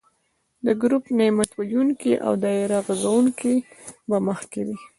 د ګروپ نعت ویونکي او دایره غږونکې به مخکې وي.